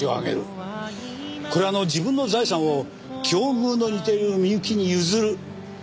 これ「自分の財産を境遇の似てるみゆきに譲る」